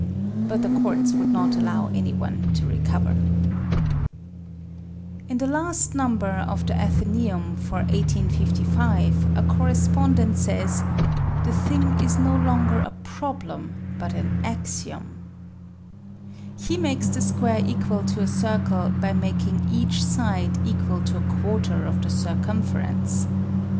But the courts would not allow any one to recover. 12 THE SEVEN FOLLIES OF SCIENCE In the last number of the Athenaeum for 1855 a corres pondent says " the thing is no longer a problem but an axiom." He makes the square equal to a circle by making each side equal to a quarter of the circumference.